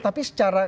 tapi secara politik